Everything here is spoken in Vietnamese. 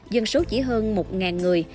dân số chỉ hơn một người